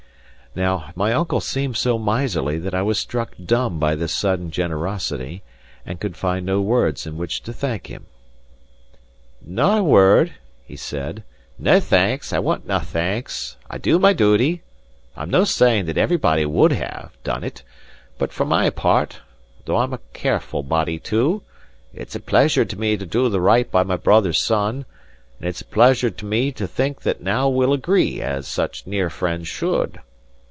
Now, my uncle seemed so miserly that I was struck dumb by this sudden generosity, and could find no words in which to thank him. "No a word!" said he. "Nae thanks; I want nae thanks. I do my duty. I'm no saying that everybody would have done it; but for my part (though I'm a careful body, too) it's a pleasure to me to do the right by my brother's son; and it's a pleasure to me to think that now we'll agree as such near friends should."